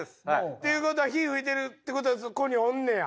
っていう事は火噴いてるって事はそこにおんねや？